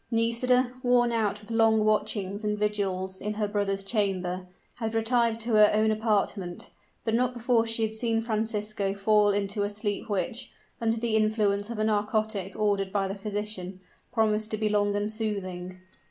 Nisida, worn out with long watchings and vigils in her brother's chamber, had retired to her own apartment; but not before she had seen Francisco fall into a sleep which, under the influence of a narcotic ordered by the physician, promised to be long and soothing.